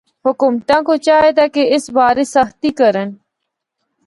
حکومتاں کو چاہیدا کہ اس بارے سختی کرن۔